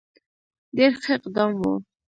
ډېر ښه اقدام وو.